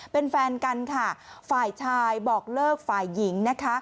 เป็นแฟนกันค่ะฝ่ายชายบอกเลิกฝ่ายหญิงนะคะ